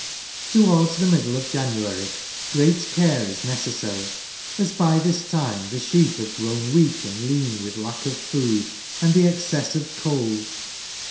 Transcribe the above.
Towards the middle of Januaiy, great care is necessary, as by this time the sheep have grown weak and lean with lack of food, and the excess of cold.